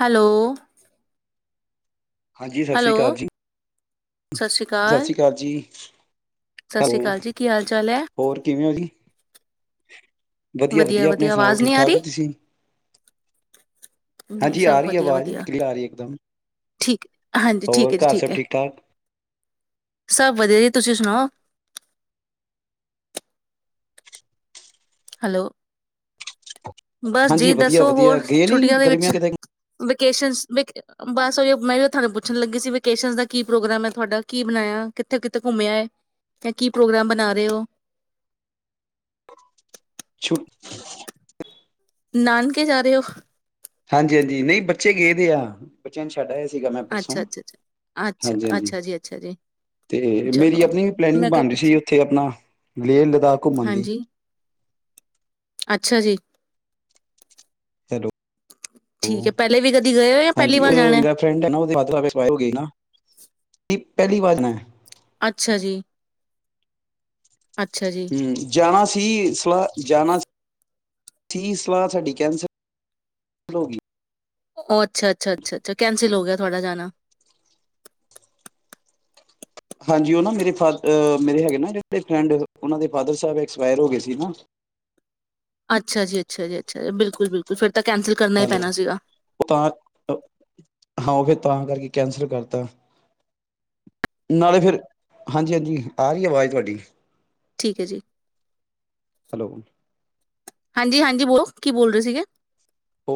Hello ਹਾਂਜੀ ਸਤਿ ਸ੍ਰੀ ਅਕਾਲ ਹੈਲੋ ਜੀ ਸਤਿ ਸ੍ਰੀ ਅਕਾਲ ਜੀ ਸਤਿ ਸ਼੍ਰੀ ਹੈਲੋ ਅਕਾਲ ਜੀ ਕੀ ਹਾਲ ਚਾਲ ਹੈ ਹੋਰ ਕਿਵੇਂ ਹੋ ਜੀ ਵਧੀਆ ਵਧੀਆ ਆਪਣੇ ਸੁਣਾਓ ਆਵਾਜ਼ ਠੀਕ ਨਹੀਂ ਆ ਠਾਕ ਰਹੀ ਹੋ ਤੁਸੀਂ ਨਹੀਂ ਹਾਂਜੀ ਆ ਸਭ ਰਹੀ ਵਧੀਆ ਆਵਾਜ਼ ਵਧੀਆ ਕਲੀਅਰ ਆ ਰਹੀ ਇਕ ਦਮ ਠੀਕ ਹਾਂਜੀ ਠੀਕ ਹੋਰ ਹੈ ਜੀ ਘਰ ਸਭ ਹੈ ਠੀਕ ਠਾਕ ਸਭ ਵਧੀਆ ਜੀ ਤੁਸੀਂ ਸੁਣਾਓ ਹੈਲੋ ਬਸ ਹਾਂਜੀ ਜੀ ਵਧੀਆ ਦੱਸੋ ਵਧੀਆ ਹੋਰ ਗਏ ਨੀ ਛੁੱਟੀਆਂ ਦੇ ਵਿੱਚ ਗਰਮੀਆਂ ਕਿਤੇ ਬਸ ਮੈਂ ਵੀ ਤੁਹਾਨੂੰ ਪੁੱਛਣ ਲੱਗੀ ਸੀ ਵਿਕੇਸ਼ਨ ਦਾ ਕੀ ਪ੍ਰੋਗਰਾਮ ਹੈ ਤੁਹਾਡਾ ਕੀ ਬਣਾਇਆ ਕਿੱਥੇ ਕਿਥੇ ਘੁੰਮਿਆ ਆ ਕੀ ਪ੍ਰੋਗਰਾਮ ਬਣਾ ਰਹੇ ਹੋ [unintelligible] ਨਾਨਕੇ ਜਾ ਰਹੇ ਹੋ ਹਾਂਜੀ ਹਾਂਜੀ ਨਹੀਂ ਬੱਚੇ ਗਏ ਦੇ ਆ ਬੱਚਿਆਂ ਨੂੰ ਛੱਡ ਆਇਆ ਸੀਗਾ ਮੈਂ ਪਰਸੋਂ ਅੱਛਾ ਅੱਛਾ ਅੱਛਾ ਅੱਛਾ ਹਾਂਜੀ ਹਾਂਜੀ ਅੱਛਾ ਜੀ ਅੱਛਾ ਜੀ ਤੇ ਮੇਰੀ ਚਲੋ ਆਪਣੀ ਪਲੈਨਿੰਗ ਮੈਂ ਕਿਹਾ ਬਣ ਰਹੀ ਪੁੱਛ ਸੀ ਉੱਥੇ ਆਪਣਾ ਲੇਹ ਲਦਾਖ ਘੁੰਮਣ ਦੀ ਹਾਂਜੀ ਅੱਛਾ ਜੀ [inaudible] ਠੀਕ ਹੈ ਪਹਿਲੇ ਵੀ ਕਦੀ ਗਏ ਹੋ ਜਾਂ ਪਹਿਲੀ ਹਾਂਜੀ ਵਾਰ ਉਹ ਜਾਣਾ ਮੇਰਾ ਫਰੈਂਡ ਹੈ ਨਾ [unintelligible] ਪਹਿਲੀ ਵਾਰ ਜਾਣਾ ਅੱਛਾ ਜੀ ਅੱਛਾ ਜੀ ਹਮ ਜਾਣਾ ਸੀ ਕੀ ਸਲਾਹ ਜਾਣਾ ਕੀ ਸਲਾਹ ਸਾਡੀ ਕੈਂਸਲ ਹੋ ਗਈ ਉਹ ਅੱਛਾ ਅੱਛਾ ਅੱਛਾ ਅੱਛਾ ਕੈਂਸਲ ਹੋ ਗਿਆ ਤੁਹਾਡਾ ਜਾਣਾ ਹਾਂਜੀ ਉਹ ਨਾ ਮੇਰੇ ਮੇਰੇ ਹੈਗੇ ਨਾ ਫਰੈਂਡ ਉਹਨਾਂ ਦੇ ਫਾਦਰ ਸਾਹਿਬ ਐਕਸਪਾਇਰ ਹੋ ਗਏ ਸੀ ਨਾ ਅੱਛਾ ਜੀ ਅੱਛਾ ਜੀ ਅੱਛਾ ਜੀ ਬਿਲਕੁਲ ਬਿਲਕੁਲ ਫਿਰ ਤਾਂ ਕੈਂਸਲ ਕਰਨਾ ਹੀ ਹੈਲੋ ਪੈਣਾ ਸੀਗਾ ਉਹ ਤਾਂ ਹਾਂ ਉਹ ਫਿਰ ਤਾਂ ਕਰਕੇ ਕੈਂਸਲ ਕਰਤਾ ਨਾਲੇ ਫਿਰ ਹਾਂਜੀ ਹਾਂਜੀ ਆ ਰਹੀ ਆਵਾਜ਼ ਤੁਹਾਡੀ ਠੀਕ ਹੈ ਜੀ ਹੈਲੋ, ਹਾਂਜੀ ਹਾਂਜੀ, ਬੋਲੋ ਕੀ ਬੋਲ ਰਹੇ ਸੀਗੇ। ਓ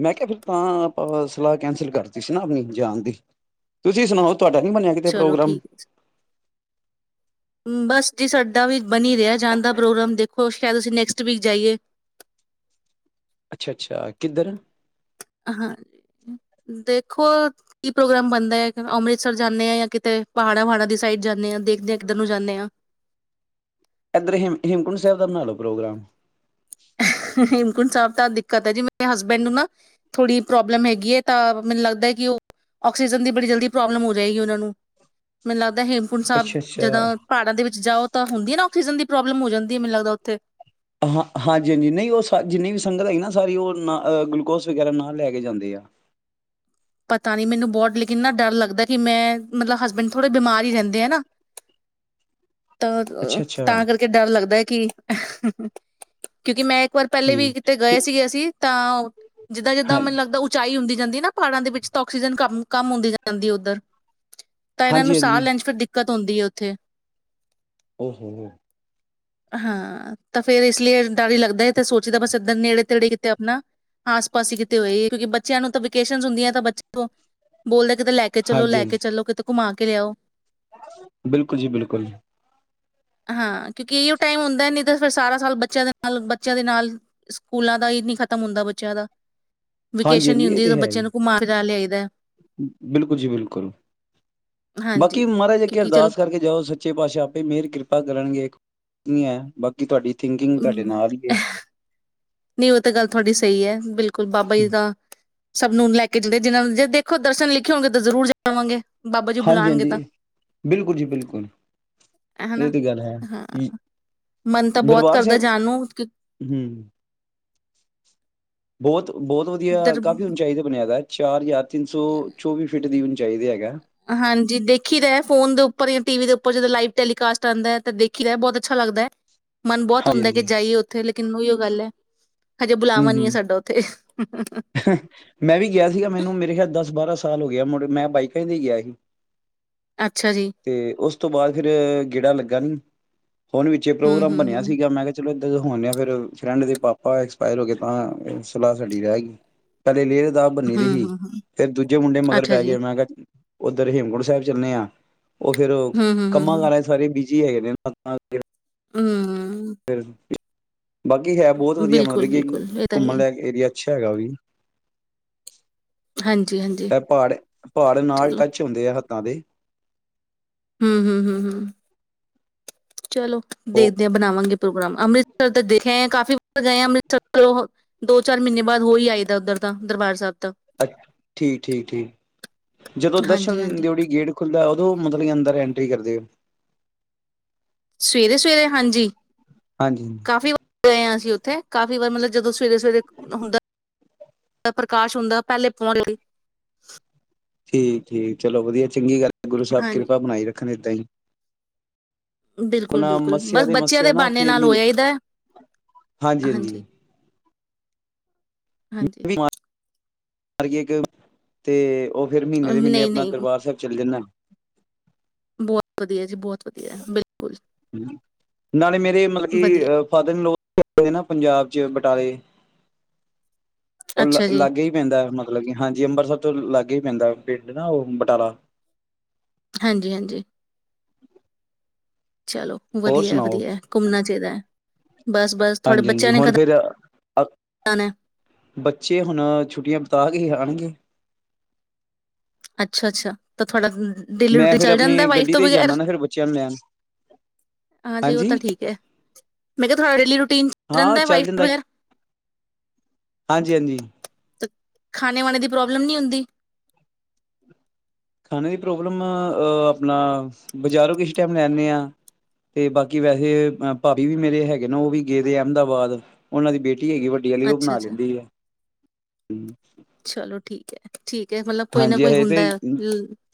ਮੈਂ ਕਿਹਾ ਫਿਰ ਤਾਂ ਆਪਾਂ ਸਲਾਹ ਕੈਂਸਲ ਕਰਤੀ ਸੀ ਨਾ ਆਪਣੀ ਜਾਣ ਦੀ ਤੁਸੀਂ ਸੁਣਾਓ। ਤੁਹਾਡਾ ਨੀ ਬਣਿਆ ਕਿਤੇ ਚਲੋ ਪ੍ਰੋਗਰਾਮ ਠੀਕ ਹੈ ਬਸ ਜੇ ਸਾਡਾ ਵੀ ਬਣੀ ਰਿਹਾ ਜਾਂਦਾ ਦਾ ਪ੍ਰੋਗਰਾਮ ਦੇਖੋ ਸ਼ਾਇਦ ਅਸੀਂ ਨੈਕਸਟ ਵੀਕ ਜਾਈਏ ਅੱਛਾ ਅੱਛਾ ਕਿੱਧਰ ਨੂੰ। ਹਾਂਜੀ, ਦੇਖੋ ਕੀ ਪ੍ਰੋਗਰਾਮ ਬਣਦਾ ਹੈ ਅੰਮ੍ਰਿਤਸਰ ਜਾਣਾ ਆ ਜਾਂ ਕਿਤੇ ਪਹਾੜਾਂ ਵਹਾੜਾਂ ਦੀ ਸਾਈਡ ਜਾਣੇ ਹਾਂ ਦੇਖਦੇ ਹਾਂ ਕਿੱਧਰ ਨੂੰ ਜਾਂਦੇ ਹਾਂ। ਇਧਰ ਹੇਮ ਹੇਮਕੁੰਟ ਸਾਹਿਬ ਦਾ ਬਣਾ ਲਓ ਪ੍ਰੋਗਰਾਮ ਹੇਮਕੁੰਟ ਸਾਹਿਬ ਤਾਂ ਦਿੱਕਤ ਹੈ ਜੀ ਮੇਰੇ ਹਸਬੈਂਡ ਨੂੰ ਨਾ ਥੋੜੀ ਪ੍ਰੋਬਲਮ ਹੈਗੀ ਹੈ ਤਾਂ ਮੈਨੂੰ ਲੱਗਦਾ ਕਿ ਉਹ ਆਕਸੀਜਨ ਦੀ ਬੜੀ ਜਲਦੀ ਪ੍ਰੋਬਲਮ ਹੋ ਜਾਏਗੀ ਉਹਨਾ ਨੂੰ ਮੈਨੂੰ ਲੱਗ ਦਾਂ ਹੇਮਕੁੰਟ ਸਾਹਿਬ ਅੱਛਾ ਅੱਛਾ ਜਦੋਂ ਪਹਾੜਾਂ ਦੇ ਵਿੱਚ ਜਾਓ ਤਾਂ ਹੁੰਦੀ ਹੈ ਨਾ ਆਕਸੀਜਨ ਦੀ ਪ੍ਰੋਬਲਮ ਹੋ ਜਾਂਦੀ ਹੈ ਮੈਨੂੰ ਲੱਗਦਾ ਉੱਥੇ ਹਾਂ, ਹਾਂਜੀ ਹਾਂਜੀ ਨਹੀਂ ਉਹ ਸ ਜਿੰਨੀ ਵੀ ਸੰਗਤ ਹੈਗੀ ਨਾ ਸਾਰੀ ਉਹ ਨਾ ਗਲੂਕੋਸ ਵਗੈਰਾ ਨਾਲ ਲੈ ਕੇ ਜਾਂਦੇ ਆ। ਪਤਾ ਨੀ ਮੈਨੂੰ ਬਹੁਤ ਲੇਕਿਨ ਡਰ ਲੱਗਦਾ ਕਿ ਮੈਂ ਮਤਲਬ ਹਸਬੈਂਡ ਥੋੜੇ ਬਿਮਾਰ ਹੀ ਰਹਿੰਦੇ ਨਾ ਤਾਂ ਅੱਛਾ ਅੱਛਾ ਤਾਂ ਕਰਕੇ ਡਰ ਲੱਗਦਾ ਕਿ ਕਿਉਂਕਿ ਮੈਂ ਇੱਕ ਵਾਰ ਪਹਿਲੇ ਵੀ ਠੀਕ ਕਿਤੇ ਤੇ ਗਏ ਸੀਗੇ ਅਸੀਂ ਤਾਂ ਜਿੱਦਾਂ ਜਿੱਦਾਂ ਹਾਂ ਮੈਨੂੰ ਲੱਗਦਾ ਉਚਾਈ ਹੁੰਦੀ ਜਾਂਦੀ ਨਾ ਪਹਾੜਾਂ ਦੇ ਵਿੱਚ ਤਾਂ ਆਕਸੀਜਨ ਕਮ ਕਮ ਹੁੰਦੀ ਜਾਂਦੀ ਉੱਧਰ ਤਾਂ ਇਹਨਾਂ ਨੂੰ ਹਾਂਜੀ ਸਾਹ ਹਾਂਜੀ ਲੈਣ ਚ ਫਿਰ ਦਿੱਕਤ ਦਿੱਕਤ ਹੁੰਦੀ ਹੈ ਉੱਥੇ ਓ ਹੋ। ਹਾਂ, ਤਾਂ ਫੇਰ ਇਸ ਲਈ ਡਰ ਹੀ ਲੱਗਦਾ ਹੈ ਤੇ ਸੋਚੀਦਾ ਬਸ ਇੱਦਾਂ ਨੇੜੇ ਤੇੜੇ ਕਿਤੇ ਆਪਣਾ ਆਸ ਪਾਸ ਹੀ ਕਿਤੇ ਹੋਏ ਕਿਉਂਕਿ ਬੱਚਿਆਂ ਨੂੰ ਤਾਂ ਵੋਕੇਸ਼ਨ ਹੁੰਦੀਆਂ ਤਾਂ ਬੱਚੇ ਬੋਲਦੇ ਕਿਤੇ ਲੈ ਕੇ ਚਲੋ ਹਾਂਜੀ ਲੈ ਹਾਂਜੀ ਕੇ ਚਲੋ ਕਿਤੇ ਘੁੰਮਾ ਕੇ ਲਿਆਓ। ਬਿਲਕੁਲ ਜੀ ਬਿਲਕੁਲ ਜੀ ਹਾਂ, ਕਿਉਂਕਿ ਇਹੀਓ ਟਾਈਮ ਹੁੰਦਾ ਨਹੀਂ ਤਾਂ ਫਿਰ ਸਾਰਾ ਸਾਲ ਬੱਚਿਆਂ ਦੇ ਨਾਲ ਬੱਚਿਆਂ ਦੇ ਨਾਲ ਸਕੂਲਾਂ ਦਾ ਇਹ ਨਹੀਂ ਖ਼ਤਮ ਹੁੰਦਾ ਬੱਚਿਆਂ ਦਾ ਹਾਂਜੀ ਵੇਕੇਸ਼ਨ ਨਹੀਂ ਹਾਂਜੀ ਇਹ ਹੁੰਦੀ ਤੇ ਜਦੋਂ ਬੱਚੇ ਹੈ ਬੱਚਿਆਂ ਹੀ ਨੂੰ ਘੁਮਾ ਫਿਰਾ ਲਿਆਈ ਬਿਲਕੁਲ ਜੀ ਬਿਲਕੁਲ ਹਾਂਜੀ ਬਾਕੀ ਮਹਾਰਾਜ ਕੇ ਕਿਉਂਕਿ ਚਲੋ ਅਰਦਾਸ ਕਰਕੇ ਜਾਓ ਸੱਚੇ ਪਾਤਸ਼ਾਹ ਆਪੇ ਮੇਹਰ ਕਿਰਪਾ ਕਰਨਗੇ ਹੈ ਬਾਕੀ ਤੁਹਾਡੀ। ਥਿੰਕਿੰਗ ਤੁਹਾਡੇ ਨਾਲ ਹੀ ਨਹੀਂ ਉਹ ਤਾਂ ਗੱਲ ਤੁਹਾਡੀ ਸਹੀ ਹੈ ਬਿਲਕੁਲ ਬਾਬਾ ਜੀ ਤਾਂ ਸਭ ਨੂੰ ਲੈ ਕੇ ਜਾਂਦੇ ਜਿਹ ਜੇ ਦੇਖੋ ਦਰਸ਼ਨ ਲਿਖੇ ਹੋਗੇ ਤਾਂ ਜ਼ਰੂਰ ਜਾਵਾਂਗੇ ਬਾਬਾ ਜੀ ਹਾਂਜੀ ਬੁਲਾਣਗੇ ਤਾਂ ਹਾਂਜੀ, ਬਿਲਕੁਲ ਜੀ ਬਿਲਕੁਲ ਇਹ ਹਨਾ ਤੇ ਗੱਲ ਹੈ ਹਾਂ ਮਨ ਤਾਂ ਬਹੁਤ ਦਰਬਾਰ ਕਰਦਾ ਸਾਹਿਬ ਜਾਣ ਨੂੰ ਕਿ ਹੂੰ। ਬਹੁਤ ਬਹੁਤ ਵਧੀਆ ਦਰ ਕਾਫੀ ਹੁਣ ਚਾਹੀਦਾ ਬਣਿਆ ਦਾ ਚਾਰ ਯਾਰ ਤਿੰਨ ਸੌ ਚੌਵੀ ਫੀਟ ਦੀ ਚਾਹੀਦੇ ਹੈਗਾ ਏ। ਹਾਂਜੀ ਦੇਖੀ ਦਾ ਹੈਂ ਫੋਨ ਦੇ ਉਪਰ ਯਾ ਟੀਵ ਦੇ ਉਪਰ ਜਦੋਂ ਲਾਈਵ ਟੈਲੀਕਾਸਟ ਆਂਦਾ ਹੈ, ਤਾਂ ਦੇਖੀ ਦਾ ਹੈਂ। ਬਹੁਤ ਅੱਛਾ ਲੱਗਦਾ ਹੈ। ਮਨ ਬਹੁਤ ਹਾਂਜੀ ਹੁੰਦਾ ਕਿ ਹਾਂਜੀ ਜਾਈਏ ਉੱਥੇ ਲੇ ਲੇਕਿਨ ਉਹਿਓ ਗੱਲ ਹੈ। ਹਜੇ ਬੁਲਾਵਾਂ ਹਮ ਨੀ ਐ ਹਮ ਸਾਡਾ ਉੱਥੇ। ਮੈਂ ਵੀ ਗਿਆ ਸੀਗਾ, ਮੈਨੂੰ ਮੇਰੇ ਖਿਆਲ ਦਸ ਬਾਰਾਂ ਸਾਲ ਹੋ ਗਏ ਏ, ਮੁੜ ਮੈਂ ਬਾਈਕ ਏਤੇ ਗਿਆ ਸੀ। ਅੱਛਾ ਜੀ ਤੇ ਉਸ ਤੋਂ ਬਾਅਦ ਫਿਰ ਗੇੜਾ ਲੱਗ ਗਣ ਹੁਣ ਵਿੱਚ ਇਹ ਹੂੰ ਪ੍ਰੋਗਰਾਮ ਹੂੰ ਬਣਿਆ ਹੂੰ ਸੀਗਾ, ਮੈਂ ਕਿਹਾ ਚਲੋ ਜਦੋਂ ਹੋਣੇ ਹਾਂ ਫਿਰ ਫਰੈਂਡ ਦੇ ਪਾਪਾ ਐਕਸਪਾਇਰ ਹੋ ਗਏ ਤਾਂ ਸਲਾਹ ਸਾਡੀ ਰਹਿ ਗਈ। ਪਹਿਲੇ ਲਏ ਸਲਾਹ ਬੰਨੀ ਦੀ ਹੂੰ ਹੀ, ਹੂੰ ਹੂੰ ਫੇਰ ਦੂਜੇ ਮੁੰਡੇ ਮਗਰ ਅੱਛਾ ਪੈ ਜੀ ਗਏ, ਮੈਂ ਕਿਹਾ ਉੱਧਰ ਹੇਮਕੁੰਟ ਸਾਹਿਬ ਚੱਲੇ ਆ। ਉਹ ਫਿਰ ਹੂੰ ਹੂੰ ਹੂੰ ਕੰਮਾਂ ਹੂੰ ਕਾਰਾ ਚ ਸਾਰੇ ਬੀ ਜੀ ਹੈਗੇ ਨੇ [unintelligible] ਹੂੰ ਫੇਰ ਬਾਕੀ ਹੈ ਬਹੁਤ ਵਧੀਆ, ਬਿਲਕੁਲ ਮਤਲਬ ਕਿ ਬਿਲਕੁਲ ਇਹ ਤਾਂ ਹੈ ਘੁੰਮਣ ਹੀ। ਲਾਇਕ ਏਰੀਆ। ਅੱਛਾ ਹੈਗਾ ਉਹ ਵੀ। ਹਾਂਜੀ ਹਾਂਜੀ ਏਹ ਪਹਾੜ-ਪਹਾੜ ਨਾਲ ਚਲੋ ਟੱਚ ਹੁੰਦੇ ਆੱ। ਤਾ ਦੇ ਹਮ-ਹਮ-ਹਮ-ਹਮ। ਚਲੋ ਉਹ ਦੇਖਦੇ ਹਾਂ ਬਣਾਵਾਂਗੇ। ਪ੍ਰੋਗਰਾਮ, ਅੰਮ੍ਰਿਤਸਰ ਤਾਂ ਦੇਖ ਆਏ ਹਾਂ, ਕਾਫ਼ੀ ਵਾਰ ਗਏ ਆ ਅੰਮ੍ਰਿਤਸਰ ਚ, ਦੋ ਚਾਰ ਮਹੀਨੇ ਬਾਅਦ ਹੋ ਹੀ ਆਈਦਾ ਉੱਧਰ ਤਾਂ ਦਰਬਾਰ ਸਾਹਿਬ। ਤਾਂ ਅੱ ਠੀਕ-ਠੀਕ-ਠੀਕ, ਜਦੋਂ ਹਾਂਜੀ ਦਰਸ਼ਨ ਹਾਂਜੀ ਦਿਓੜੀ ਗੇਟ ਖੁੱਲਦਾ ਏ ਉਦੋਂ ਮਤਲਬ ਕਿ ਅੰ ਅੰਦਰ ਐਂਟਰੀ ਕਰਦੇਓ? ਸਵੇਰੇ-ਸਵੇਰੇ ਹਾਂਜੀ। ਹਾਂਜੀ ਹਾਂਜੀ ਕਾਫ਼ੀ ਵਾਰ ਗਏ ਹਾਂ ਅਸੀਂ ਉੱਥੇ, ਕਾਫ਼ੀ ਵਾਰ ਮਤਲਬ ਜਦੋਂ ਸਵੇਰੇ-ਸਵੇਰੇ ਹੁੰਦਾ ਏ, ਪ੍ਰਕਾਸ਼ ਹੁੰਦਾ ਏ, ਉਹ ਪਹਿਲੇ ਪਹੁੰਚ [unintelligible] ਠੀਕ-ਠੀਕ ਚਲੋ ਵਧੀਆ, ਚੰਗੀ ਗੱਲ ਗੁਰੂ ਸਾਹਿਬ ਕਿਰਪਾ ਬਣਾਈ ਰੱਖਣ। ਏਦਾਂ ਹੀ। ਆਪਣਾ ਬਿਲਕੁਲ-ਬਿਲਕੁਲ ਮੱਸਿਆ ਬਸ ਬੱਚਿਆਂ ਮੱਸਿਆ ਦੇ ਨਾ ਬਹਾਨੇ ਉੱਥੇ ਨਾਲ ਹੋ ਮਹੀਨ ਆਇਦਾ ਹਾਂਜੀ। ਹਾਂਜੀ। ਹਰ ਕੀ ਇੱਕ ਤੇ ਉਹ ਫਿਰ ਮਹੀਨੇ ਦੇ ਮਹੀਨੇ ਨਹੀਂ ਆਪਣਾ ਨਹੀਂ ਦਰਬਾਰ ਸਾਹਿਬ ਚਲੇ ਜਾਂਦਾ। ਬਹੁਤ ਵਧੀਆ ਜੀ ਬਹੁਤ ਵਧੀਆ ਬਿਲਕੁਲ ਨਾਲੇ ਮੇਰੇ ਮਤਲਬ ਕੀ ਵਧੀਆ ਅ ਫਾਦਰ ਇਨ ਲਾੱ ਪੰਜਾਬ ਚ ਟਾਲੇ ਉਹ ਅੱਛਾ ਜੀ ਲਾਗੇ ਹੀ ਪੈਂਦਾ ਮਤਲਬ ਕਿ ਹਾਂਜੀ, ਅੰਮ੍ਰਿਤਸਰ ਤੋਂ ਲਾਗੇ ਗੇ ਪੈਂਦਾ ਪਿੰਡ ਨਾ ਉਹ ਬਟਾਲਾ। ਹਾਂਜੀ- ਹਾਂਜੀ। ਚਲੋ, ਹੋਰ ਸੁਣਾਓ ਵਧੀਆ-ਵਧੀਆ ਘੁੰਮਣਾ ਚਾਹੀਦਾ ਹੈ। ਬਸ-ਬਸ ਥੋੜੇ ਬੱਚਿਆਂ ਨੇ ਖ ਅ ਬੱਚੇ ਹੁਣ ਛੁੱਟੀਆਂ ਬਿਤਾ ਕੇ ਹੀ ਆਣਗੇ। ਕੀ। ਅੱਛਾ-ਅੱਛਾ, ਤਾਂ ਥੋੜਾ। ਡੇਲੀ ਮੈਂ ਰੂਟੀਨ ਫਿਰ ਚਲ ਜਾਂਦਾ ਹੈ ਆਪਣੀ ਵਾਈਫ ਗੱਡੀ ਤੋਂ ਤੇ ਹੀ ਬਗੈਰ, ਜਾਂਦਾ ਨਾ ਫਿਰ ਬੱਚਿਆਂ ਨੂੰ ਲੈਣ ਹਾਂਜੀ ਉਹ ਤਾਂ ਠੀਕ ਹੈ ਮੈਂ ਕਿਹਾਾ ਡੇਲੀ ਰੂਟੀਨ ਚਲ ਹਾਂ ਜਾਂਦਾ ਹੈ ਚੱਲ ਵਾਈਫ ਤੋਂ ਬਗੈਰ। ਹ [unintelligible] ਖਾਣੇ- ਵਾਨੇ ਦੀ ਪ੍ਰੋਬਲਮ ਨੀ ਹੁੰਦੀ। ਖਾਣੇ ਦੀ ਪ੍ਰੋਬਲਮ ਆਪਣਾ ਬਜ਼ਾਰੋਂ ਕਿਸ ਟਾਈਮ ਲੈਂਦੇ ਹਾ ਤੇ ਬਾਕੀ ਵੈਸੇ ਭਾਾਬੀ ਵੀ ਮੇਰੇ ਹੈਗੇ ਨੇ ਉਹ ਵੀ ਗਏਦੇ ਅਹਿਮਦਾਬਾਦ ਉਹਨਾਂ ਦੀ ਬੇਟੀ ਟੀ ਹੈਗੀ ਵੱਡੀ ਵਾਲੀ ਉਹ ਬਣਾ ਅੱਛਾ-ਅੱਛਾ ਲੈਂਦੀ ਏ। ਚਲੋ ਠੀਕ ਹੈ ਠੀਕ ਹੈ ਮਤਲਬ ਕੋਈ ਨਾ ਹਾਂਜੀ, ਕੋਈ ਹਜੇ ਹੁੰਦਾ ਹੈ ਤੇ ਲ-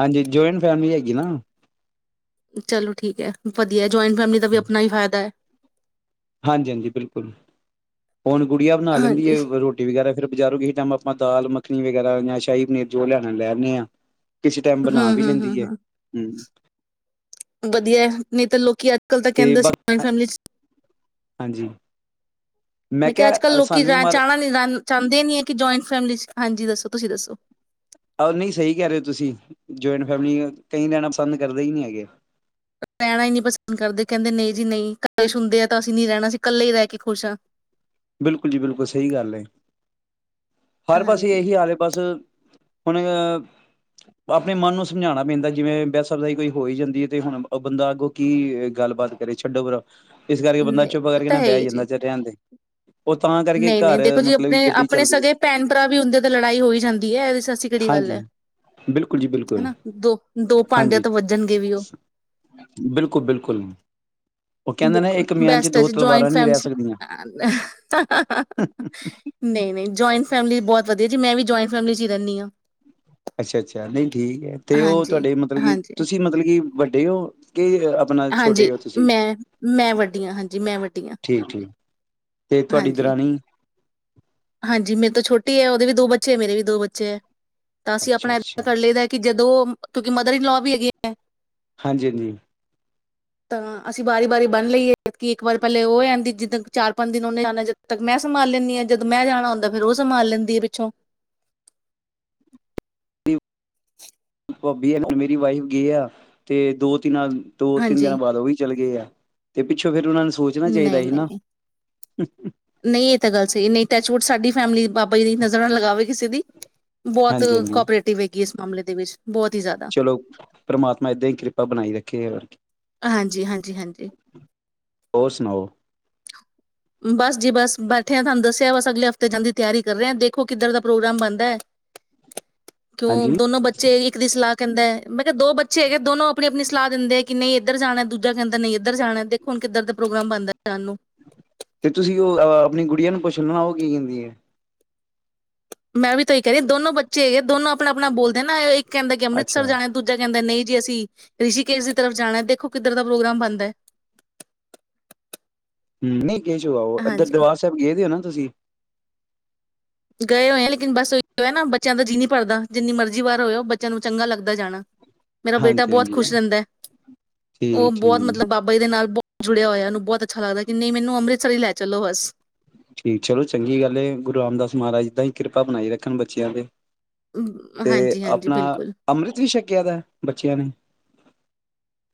ਹਾਂਜੀ ਜੁਆਇੰਟ ਫੈਮਿਲੀ ਹੈਗੀ। ਕਿ ਨਾ। ਚਲੋ ਠੀਕ ਹੈ ਵਧੀਆ। ਜਆਇੰਟ ਫੈਮਲੀ ਦਾ ਵੀ ਆਪਣਾ ਹੀ ਫਾਇਦਾ ਹੈ। ਹਾਂਜੀ-ਹਾਂਜੀ ਬਿਲਕੁਲ, ਹੁਣ ਗੁੜਿਯਾ ਬਣਾ ਲੈਂਦੀ ਹਾਂਜੀ ਹੈ ਰੋਟੀ ਵਗੈਰਾ ਫੇਿਰ ਬਜ਼ਾਰੋਂ ਕਿਸੇ ਟਾਈਮ ਆਪਾਂ ਦਾਲ ਮ ਚਟਨੀ ਵਗੈਰਾ ਜਾਂ ਸ਼ਾਹੀ ਪਨੀਰ ਜੋ ਲੈਣਾ ਲੈਦੇ ਆ। ਕਿਸੇ ਟਾਈਮ ਬਣਾ ਵੀ ਹੂੰ-ਹੂੰ-ਹੂੰ ਲੈਂਦੀ ਹੈ। -ਹੂੰ, ਹੂੰ ਵਧੀਆ। ਨਹੀਂ ਤਾਂ ਲੋਕੀ ਕਲ ਤੇ ਕਹਿੰਦਾ ਸੀ ਜਇੰਟ ਫੈਮਲੀ ਚ ਹਾਂਜੀ ਮੈਂ ਕਿਹਾ ਅੱਜ ਕੱਲ੍ਹ ਲੋਕੀ ਸਾਨੂੰ ਵੀ ਰ ਮਾੜਾ ਚਾਹਣਾ ਨੀ ਰ ਦੇਨ ਕਿ ਜੁਆਇੰਟ ਫੈਮ ਹਾਂਜੀ ਦੱਸੋ ਤੁਸੀਂ ਦੱਸੋ। ਆਹ ਨਹੀਂ ਸਹੀ ਕਹਿ ਰਹੇ ਤੁਸੀਂ ਜੁਆਇੰਟ ਫੈਮਲੀ ਕਈ ਰਹਿਣਾ ਪਸੰਦ ਕਰਦੇ ਹੀ ਨਹੀਂ ਹੈਗੇ। ਰਹਿਣਾ ਹੀ ਨੀ ਨਹੀਂ ਪਸੰਦ ਕਰਦੇ ਕਹਿੰਦੇ ਨਹੀਂ ਜੀ ਨਹੀਂ ਗਲ ਸੁਣਦੇ ਆ ਤਾਂ ਅਸੀਂ ਨਹੀਂ ਰਹਿਣਾ, ਅਸੀਂ ਇਕੱਲੇ ਹੀ ਰਹਿ ਕੇ ਖੁਸ਼ ਹਾਂ। ਬਿਲਕੁਲ ਜੀ ਬਿਲਕੁਲ ਸਹੀ ਗੱਲ ਹੈ। ਹਰ ਹਾਂਜੀ, ਪਾਸੇ ਇਹੀ ਆਲਲੇ ਪਾਸ ਹੁਣ ਅ ਆਪਣੇ ਮਨ ਨੂੰ ਸਮਝਾਉਣਾ ਪੈਂਦਾ ਜਿਵੇਂ ਬਹਿ ਸਕਦਾ ਹੀ ਕੋਈ ਹੋਈ ਜਾਂਦੀ ਹੈ ਤੇ ਹੁਣ ਬੰਦਾ ਅੱਗੋਂ ਕੀ ਗੱਲਬਾਤ ਕਰੇ ਛੱਡੋ ਪਰਾ ਇਸ ਕਰਕੇ ਬੰਦਾ ਨਹੀਂ ਚੁੱਪ ਕਰਕੇ ਨਾ ਬਹਿ ਹੀ ਜਾਂਦਾ ਚਲ ਰਹਿਣ ਦੇ ਉਹ ਤਾਂ ਕਰਕੇ ਨਹੀਂ ਨਹੀਂ ਘਰ ਦੇਖੋ ਜੀ ਮਤਲਬ ਕਿ ਆਪਣੇ ਗੱਡੀ ਆਪਣੇ ਚੱਲਦੀ ਹੈ ਸਗੇ ਭੈਣ ਭਰਾ ਵੀ ਹੁੰਦੇ ਤੇ ਲੜਾਈ ਹੋਈ ਜਾਂਦੀ ਹੈ ਇਹ ਐਸੀ ਕਿਹੜੀ ਗੱਲ ਹਾਂਜੀ ਹੈ ਬਿਲਕੁਲ ਜੀ ਬਿਲਕੁਲ ਹਨਾ ਦੋ ਦੋ ਭਾਂਡੇ ਹਾਂਜੀ ਤੋਂ ਵੱਜਣਗੇ ਵੀ ਉਹ ਬਿਲਕੁਲ ਬਿਲਕੁਲ ਉਹ ਕਹਿੰਦੇ ਨੇ ਬਿਲਕੁਲ ਇੱਕ ਮਿਆਨ ਚ ਦੋ ਤਲਵਾਰਾਂ ਨਹੀਂ ਰਹਿ ਸਕਦੀਆਂ ਨਹੀਂ ਨਹੀਂ ਜਇੰਟਸ ਫੈਮਿਲੀ ਬਹੁਤ ਵਧੀਆ ਜੀ ਮੈਂ ਵੀ ਜਆਇੰਟ ਫੈਮਲੀ ਚ ਰਹਿੰਦੀ ਹਾਂ ਅੱਛਾ ਅੱਛਾ ਨਹੀਂ ਠੀਕ ਹੈ ਤੇ ਉਹ ਹਾਂਜੀ, ਤੁਹਾਡੇ ਮਤਲਬ ਕੀ ਹਾਂਜੀ, ਤੁਸੀਂ ਮਤਲਬ ਕੀ ਵੱਡੇ ਹੋ ਕਿ ਆਪਣਾ ਛੋਟੇ ਹਾਂਜੀ ਹੋ ਤੁਸੀਂ ਮੈਂ, ਮੈਂ ਵੱਡੀਆਂ ਹਾਂਜੀ ਮੈਂ ਵੱਡੀ ਠੀਕ-ਠੀਕ ਤੇ ਤੁਹਾਡੀ ਹਾਂਜੀ ਦਰਾਣੀ ਹਾਂਜੀ ਮੇਰੇ ਤੋਂ ਛੋਟੀ ਹੈ ਉਹਦੇ ਵੀ ਦੋ ਬੱਚੇ ਹੈ ਮੇਰੇ ਵੀ ਦੋ ਬੱਚੇ ਹੈ ਤਾਂ ਅਸੀਂ ਆਪਣਾ ਇਏਦਾਂ ਅੱਛਾ-ਅੱਛਾ ਕਰ ਲਦਾ ਕਿ ਜਦੋਂ ਕਿਉਂਕਿ ਮਦਰ ਇਨਲੋ ਵੀ ਹੈਗੇ ਹੈ ਹਾਂਜੀ ਹਾਂਜੀ ਤਾਂ ਅਸੀਂ ਵਾਰੀ ਵਾਰੀ ਬੰਨ ਲਈਏ ਜਦ ਕਿ ਇੱਕ ਵਾਰ ਪਹਿਲੇ ਉਹ ਆ ਜਾਂਦੀ ਜਿੱਦਾਂ ਚਾਰ ਪੰਜ ਦਿਨ ਉਹਨੇ ਜਾਣਾ ਜਦੋਂ ਤੱਕ ਮੈਂ ਸੰਭਾਲ ਲੈਂਦੀ ਹਾਂ ਜਦੋਂ ਮੈਂ ਜਾਣਾ ਹੁੰਦਾ ਫਿਰ ਉਹ ਸੰਭਾਲ ਲੈਂਦੀ ਹੈ ਪਿੱਛੋਂ ਭਾਬੀ ਹੈ ਮੇਰੀ ਵਾਈਫ ਗਏ ਆ ਤੇ ਦੋ ਤਿੰਨ ਦੋ ਤਿੰਨ ਹਾਂਜੀ ਦਿਨਾਂ ਬਾਅਦ ਉਹ ਵੀ ਚੱਲ ਗਏ ਆ ਤੇ ਪਿੱਛੋਂ ਫਿਰ ਉਹਨਾਂ ਨੂੰ ਸੋਚਣਾ ਚਾਹੀਦਾ ਸੀ ਨਹੀਂ-ਨਹੀਂ ਨਾ ਨਹੀਂ ਨਹੀਂ ਇਹ ਤਾਂ ਗੱਲ ਸਹੀ ਨਹੀਂ ਟੈਚਵੁਡ ਸਾਡੀ ਫੈਮਲੀ ਨਜ਼ਰ ਨਾ ਲਗਾਵੇ ਕਿਸੇ ਦੀ ਬਹੁਤ ਹਾਂਜੀ-ਹਾਂਜੀ ਕੋਪਰੇਟਿਵ ਹੈ ਇਸ ਮਾਮਲੇ ਦੇ ਵਿੱਚ ਬਹੁਤ ਹੀ ਜ਼ਿਆਦਾ ਚਲੋ ਪਰਮਾਤਮਾ ਏਦਾਂ ਹੀ ਕਿਰਪਾ ਬਣਾਈ ਰੱਖੇ ਹਾਂਜੀ ਹਾਂਜੀ ਹਾਂਜੀ ਹੋਰ ਸੁਣਾਓ ਬਸ ਜੀ ਬਸ ਬੈਠੇ ਤੁਹਾਨੂੰ ਦੱਸਿਆ ਬਸ ਅਗਲੇ ਹਫ਼ਤੇ ਜਾਂਣ ਦੀ ਤਿਆਰੀ ਕਰ ਰਹੇ ਦੇਖੋ ਕਿੱਧਰ ਦਾ ਪ੍ਰੋਗਰਾਮ ਬਣਦਾ ਹੈ ਕਿਉਂ ਹਾਂਜੀ ਦੋਨੋ ਬੱਚੇ ਇੱਕ ਦੀ ਸਲਾਹ ਕਹਿੰਦਾ ਮੈਂ ਕਿਹਾ ਦੋ ਬੱਚੇ ਹੈਗੇ ਦੋਨੋ ਆਪਣੀ ਆਪਣੀ ਸਲਾਹ ਦਿੰਦੇ ਕਿ ਨਹੀਂ ਇੱਧਰ ਜਾਣਾ ਦੂਜਾ ਕਹਿੰਦਾ ਨਹੀਂ ਇੱਧਰ ਜਾਣਾ ਦੇਖੋ ਹੁਣ ਕਿੱਧਰ ਦਾ ਪ੍ਰੋਗਰਾਮ ਬਣਦਾ ਸਾਨ ਨੂੰ ਤੇ ਤੁਸੀਂ ਉਹ ਆਪਣੀ ਗੁੜੀਆਂ ਨੂੰ ਪੁੱਛ ਲੈਣਾ ਉਹ ਕੀ ਕਹਿੰਦੀ ਹੈ ਮੈਂ ਵੀ ਤਾਂ ਉਹੀ ਕਹਿ ਰਹੀ ਦੋਨੋ ਬੱਚੇ ਹੈਗੇ ਦੋਨੋ ਆਪਣਾ ਆਪਣਾ ਬੋਲਦੇ ਨਾ ਕਹਿੰਦਾ ਕਿ ਅੰਮ੍ਰਿਤਸਰ ਅੱਛਾ ਜਾਣੇ ਦੂਜਾ ਕਹਿੰਦੇ ਨਹੀਂ ਜੀ ਅਸੀਂ ਰਿਸ਼ੀਕੇਸ਼ ਦੀ ਤਰਫ ਜਾਣਾ ਦੇਖੋ ਕਿੱਧਰ ਦਾ ਪ੍ਰੋਗਰਾਮ ਬੰਦਾ ਹੈ ਹਮ ਹੋਗਾ ਇੱਧਰ ਹਾਂਜੀ ਦਰਬਾਰ ਸਾਹਿਬ ਗਏ ਦੇ ਹੋ ਨਾ ਤੁਸੀਂ ਗਏ ਹੋਏ ਆ ਲੇਕਿਨ ਬਸ ਇਹੀ ਨਾ ਬੱਚਿਆਂ ਦਾ ਜੀਅ ਨ੍ਹੀਂ ਭਰਦਾ। ਜਿੰਨੀ ਮਰਜ਼ੀ ਵਾਰ ਹੋਇ ਹੋ ਬੱਚਿਆਂ ਨੂੰ ਚੰਗਾ ਲੱਗਦਾ ਜਾਣਾ। ਮੇਰਾ ਬੇਟਾ ਬਹੁਤ ਹਾਂਜੀ-ਹਾਂਜੀ ਖੁਸ਼ ਰਹਿੰਦਾ ਐ, ਉਹ ਬਹੁਤ ਠੀਕ-ਠੀਕ ਮਤਲਬ ਬਾਬਾ ਜੀ ਦੇ ਨਾਲ ਬਹੁਤ ਜੁੜਿਆ ਹੋਇਆ ਉਹਨੂੰ ਬਹੁਤ ਅੱਛਾ ਲੱਗਦਾ ਕਿ ਨਹੀਂ ਮੈਨੂੰ ਅੰਮ੍ਰਿਤ ਸਰੀ ਲੈ ਚਲੋ ਬਸ ਠੀਕ ਚਲੋ ਚੰਗੀ ਗੱਲ ਗੁਰੂ ਰਾਮਦਾਸ ਮਹਾਰਾਜ ਇਦਾਂ ਈ ਕਿਰਪਾ ਬਣਾਈ ਰੱਖਣ ਬੱਚਿਆਂ ਤੇ ਅਮ, ਤੇ ਹਾਂਜੀ ਹਾਂਜੀ ਆਪਣਾ ਬਿਲਕੁਲ ਅੰਮ੍ਰਿਤ ਵੀ ਛਕਿਆ ਦਾ? ਬੱਚਿਆਂ ਨੇ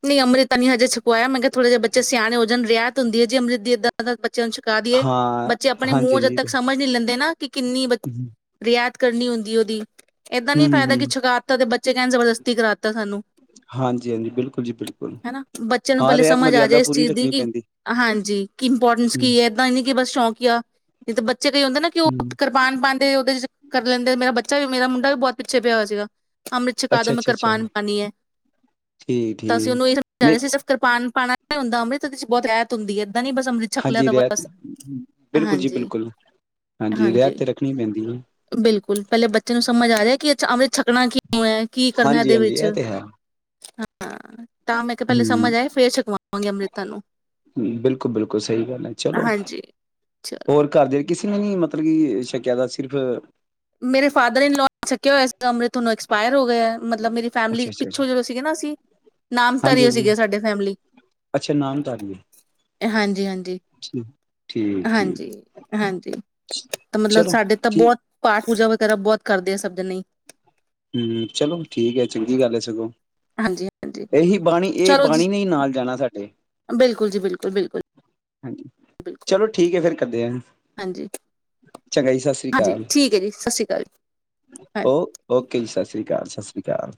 ਨਈਂ ਅੰਮ੍ਰਿਤ ਤਾਂ ਨਈਂ ਹਜੇ ਛਕਵਾਇਆ ਮੈਂ ਕਿਹਾ ਥੋੜੇ ਜਿ ਬੱਚੇ ਸਿਆਣੇ ਹੋਣ ਰਿਹੱਤ ਹੁੰਦੀ ਹੈ ਜੀ ਅੰਮਿਤ ਦੀ ਇੱਦਾਂ ਦਾ ਬ ਬੱਚਿਆਂ ਨੂੰ ਛਕਾ ਦਿਈਏ ਹਾਂ ਬੱਚੇ ਆਪਣੇ ਹਾਂਜੀ ਮੂੰਹ ਜਦ ਹਾਂਜੀ ਤੱਕ ਸਮਝ ਨਈਂ ਲੈਂਦੇ ਨਾ ਕਿ ਕਿੰਨੀ ਬ ਹੂੰ ਰਿਆਇਤ ਕਰਨੀ ਹੁੰਦੀ ਉਹਦੀ ਏਦਾਂ ਨੀ ਹੂੰ ਫਾਇਦਾ ਕਿ ਹੂੰ ਛਕਾਤਾ ਦੇ ਬੱਚੇ ਚ ਕਹਿਣ ਜਬਰਦਸਤੀ ਕਰਾ ਤਾ ਸਾਨੂੰ ਹਾਂਜੀ ਹਾਂਜੀ ਬਿਲਕੁਲ। ਜੀ ਬਿਲਕੁਲ ਹੈਨਾਂ! ਬੱਚੇ ਨੂੰ ਹਾਂ ਪਹਿਲੇ ਰਹਿਤ ਸਮਝ ਆ ਜਾਏ ਮਰਿਆਦਾ ਇਸ ਪੂਰੀ ਚੀਜ਼ ਦੀ ਰੱਖਣੀ ਕਿ ਪੈਂਦੀ ਹਾਂਜੀ ਕਿ ਇੰਪੋਰਟੈਂਸ ਹੂੰ ਕੀ ਐ। ਏਦਾਂ ਹੀ ਨਈਂ ਕਿ ਬਸ ਸ਼ੌਂਕੀਆਂ ਏਤੇ ਬਚ ਬੱਚੇ ਕਈ ਹੁੰਦੇ ਨਾ ਕਿ ਉਹ ਹੂੰ ਕਰਪਾਨ ਪਾਂਦੇ ਉਹਦੇ ਚ ਕਰ ਲੈਂਦੇ ਮੇਰਾ ਬੱਚਾ ਚਾ ਵੀ ਮੇਰਾ ਮੁੰਡਾ ਵੀ ਬਹੁਤ ਪਿੱਛੇ ਪਿਆ ਹੋਇਆ ਸੀਗਾ। ਅੰਮ੍ਰਿਤ ਛਕਾ ਦੋ ਅੱਛਾ ਮੈਂ ਅੱਛਾ ਅੱਛਾ ਕਿਰਪਾਨ ਪਾਣੀ ਐ। ਠੀਕ ਤਾਂ ਅਸੀਂ ਠੀਕ ਉਹਨੂੰ ਇਹ ਸਮਝਾ ਨਹੀਂ ਰਹੇ ਸੀ ਸਿਰਫ਼ ਕਿਰਪਾਨ ਪਾਉਣਾ ਨੀ ਹੁੰਦਾ ਅੰਮ੍ਰਿਤ ਉਹਦੇ ਚ ਬਹੁਤ ਰੈਤ ਹੁੰਦੀ ਐ। ਇਦਾਂ ਨੀ ਬਸ ਅੰਮ੍ਰਿਤ ਛਕ ਲਿਆ ਹਾਂਜੀ ਤਾਂ ਰਹਿਤ ਬਸ, ਬਿਲਕੁਲ ਜੀ ਹਾਂਜੀ ਬਿਲਕੁਲ ਰਹਿਤ ਹਾਂਜੀ, ਤੇ ਰੱਖਣੀ ਪੈਂਦੀ ਹੈ ਬਿਲਕੁਲ ਪਹਿਲੇ ਬੱਚੇ ਨੂੰ ਸਮਝ ਆ ਏਦੇ ਚ ਕਿ ਅੰਮ੍ਰਿਤ ਛਕਣਾ ਕਿਉਂ ਐ? ਕੀ ਕਰਨਾ ਹਾਂਜੀ ਇਹਦੇ ਹਾਂਜੀ ਵਿੱਚ। ਹਾਂ, ਤਾਂ ਮੈਂ ਕਿਹਾ ਪਹਿਲੇ ਹਂ, ਸਮਝ ਆਏ ਫੇਰ ਛਕਵਾਵਾਂਗੇ ਅੰਮ੍ਰਿਤਾਂ ਨੂੰ ਬਿਲਕੁਲ ਬਿਲਕੁਲ ਸਹੀ ਗੱਲ ਐ, ਚਲੋ ਹਾਂਜੀ ਚਲ ਹੋਰ ਘਰ ਦੇ ਕਿਸੇ ਨੀਂ ਮਤਲਬ ਕਿ ਸ਼ਕਿਆ ਤਾਂ ਸਿਰਫ ਮੇਰੇ ਫਾਦਰ ਇਨਲੋ ਛੱਕਿਆ ਹੋਇਆ ਸੀ। ਅਮਿ੍ਤ ਤੁਹਾਨੂੰ ਐਕਸਪਾਇਰ ਹੋਗੇ, ਮਤਲਬ ਮੇਰੀ ਫੈਮਲੀ ਅੱਛਾ ਅੱਛਾ ਪਿੱਛੋਂ ਜਿਹੜੇ ਸੀਗੇ ਨਾ ਅਸੀਂ, ਨਾਮ ਧਰੀਏ ਹਾਂਜੀ ਹਾਂਜੀ ਸੀਗੇ ਸਾਡੀ ਫੈਮਲੀ ਅੱਛਾ ਨਾਮਧਾਰੀ ਹਾਂਜੀ ਹਾਂਜੀ। ਹੈ ਠੀਕ ਠੀਕ ਹਾਂਜੀ ਹਾਂਜੀ ਤੇ ਮਤਲਬ ਚਲੋ ਸਾਡੇ ਤਾਂ ਠੀਕ ਬਹੁਤ ਪਾਠ ਪੂਜਾ ਵਗੈਰਾ ਬਹੁਤ ਕਰਦੇ ਆ ਸਭ ਜਣੇ ਹਂ, ਚਲੋ ਠੀਕ ਐ ਚੰਗੀ ਗੱਲ ਐ ਸਗੋਂ। ਹਾਂਜੀ ਹਾਂਜੀ ਇਹੀ ਬਾਣੀ ਇਹ ਚਲੋ ਜੀ ਬਾਣੀ ਨੇ ਨਾਲ ਜਾਣਾ ਸਾਡੇ ਬਿਲਕੁਲ ਜੀ ਬਿਲਕੁਲ ਬਿਲਕੁਲ ਹਾਂਜੀ ਬਿਲਕੁਲ ਚਲੋ ਠੀਕ ਐ ਫੇਰ ਕਰਦੇ ਆਂ। ਹਾਂਜੀ। ਹਾਂਜੀ ਅਕਾਲ ਠੀਕ ਐ ਜੀ, ਸਤਿ ਸ਼੍ਰੀ ਅਕਾਲ। ਓ ਹਾਂਜੀ। ਓਕੇ ਸਤਿ ਸ਼੍ਰੀ ਅਕਾਲ, ਸਤਿ ਸ਼੍ਰੀ ਅਕਾਲ।